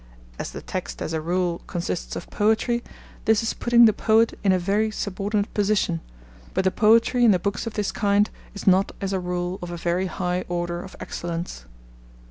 As the text, as a rule, consists of poetry, this is putting the poet in a very subordinate position; but the poetry in the books of this kind is not, as a rule, of a very high order of excellence.